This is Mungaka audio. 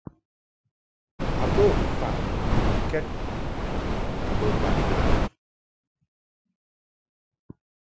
A bə faʼ ntɨnkɛd mbo bana.